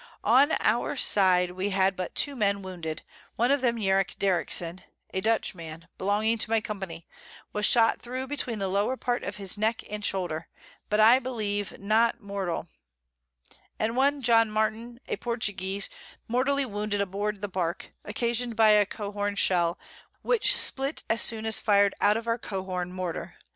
On our side we had but two Men wounded, one of 'em Yerrick Derrickson, a Dutch man, belonging to my Company, was shot thro' between the lower Part of his Neck and Shoulder, but I believe not mortal; and one John Martin a Portuguese, mortally wounded aboard the Bark, occasion'd by a Cohorn Shell, which split as soon as fired out of our Cohorn Mortar.